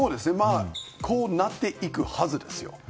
こうなっていくはずですよ。